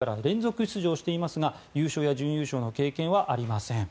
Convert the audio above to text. ＷＢＣ、２００６年の第１回大会から連続出場していますが優勝や準優勝の経験はありません。